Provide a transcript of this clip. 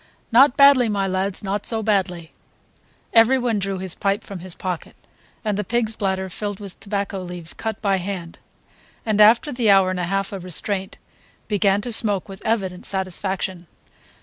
"Not badly, my lads, not so badly." Everyone drew his pipe from his pocket, and the pig's bladder filled with tobacco leaves cut by hand, and, after the hour and a half of restraint, began to smoke with evident satisfaction.